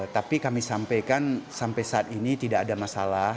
tapi kami sampaikan sampai saat ini tidak ada masalah